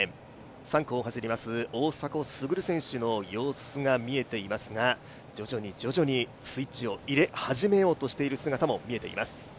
３区を走ります大迫傑選手の様子が見えていますが徐々に徐々にスイッチを入れ始めようとしている姿も見えています。